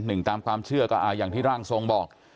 หนึ่งตามความเชื่อก็อ่าอย่างที่ร่างทรงบอก